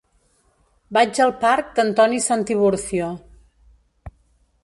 Vaig al parc d'Antoni Santiburcio.